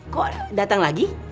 kok datang lagi